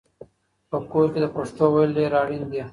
په کور کې د پښتو ویل ډېر اړین دي.